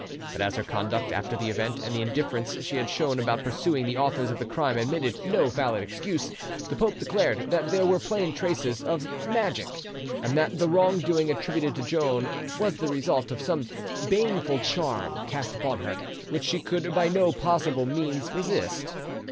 But as her conduct after the event and the indifference she had shown about pursuing the authors of the crime admitted of no valid excuse, the pope declared that there were plain traces of magic, and that the wrong doing attributed to Joan was the result of some baneful charm cast upon her, which she could by no possible means resist.